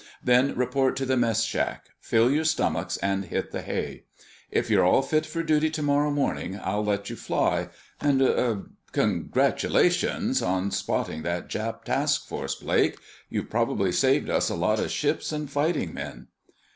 "Then report to the mess shack. Fill your stomachs and hit the hay. If you're all fit for duty tomorrow morning I'll let you fly. And—er—congratulations on spotting that Jap task force, Blake! You've probably saved us a lot of ships and fighting men."